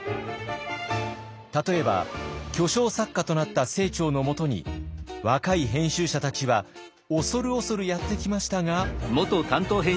例えば巨匠作家となった清張のもとに若い編集者たちは恐る恐るやって来ましたが。